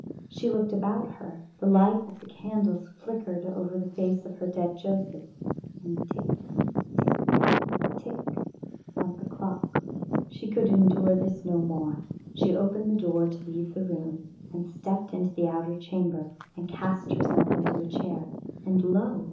She looked about her. The light of the candles flickered over the face of her dead Joseph. And tick, tick, tick went the clock. She could endure this no more. She opened the door to leave the room, and stepped into the outer chamber and cast herself into a chair. And lo!